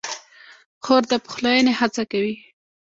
خور د پخلاینې هڅه کوي.